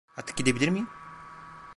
Artık gidebilir miyim?